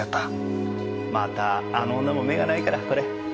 またあの女も目がないからこれ。